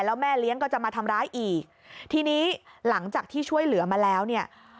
แล้วแม่เลี้ยงก็จะมาทำร้ายอีกทีนี้หลังจากที่ช่วยเหลือมาแล้วเนี่ย